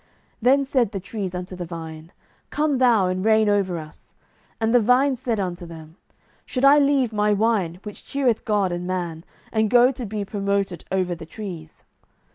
07:009:012 Then said the trees unto the vine, Come thou, and reign over us. 07:009:013 And the vine said unto them, Should I leave my wine, which cheereth God and man, and go to be promoted over the trees?